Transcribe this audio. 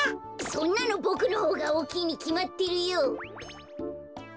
そんなのボクのほうがおおきいにきまってるよ。